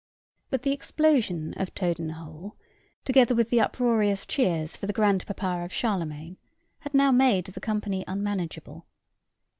But the explosion of Toad in the hole, together with the uproarious cheers for the grandpapa of Charlemagne, had now made the company unmanageable.